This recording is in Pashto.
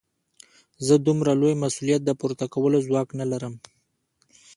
زه د دومره لوی مسوليت د پورته کولو ځواک نه لرم.